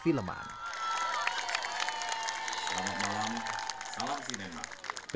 selamat malam salam sinema